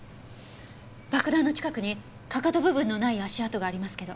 爆弾の近くにかかと部分のない足跡がありますけど。